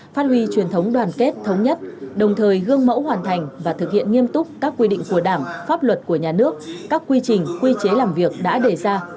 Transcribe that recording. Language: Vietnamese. phát huy truyền thống đoàn kết thống nhất đồng thời gương mẫu hoàn thành và thực hiện nghiêm túc các quy định của đảng pháp luật của nhà nước các quy trình quy chế làm việc đã đề ra